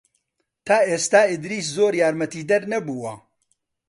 تا ئێستا ئیدریس زۆر یارمەتیدەر نەبووە.